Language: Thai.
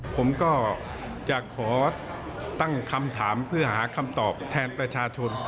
ผมก็จะขอตั้งคำถามเพื่อหาคำตอบแทนประชาชน